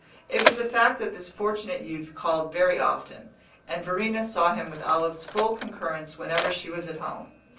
It was a fact that this fortunate youth called very often, and Verena saw him with Olive's full concurrence whenever she was at home.